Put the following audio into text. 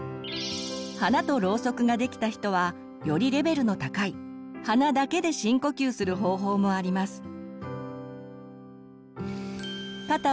「花とろうそく」ができた人はよりレベルの高い鼻だけで深呼吸する方法もあります。